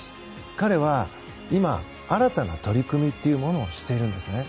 彼は今、新たな取り組みというものをしているんですね。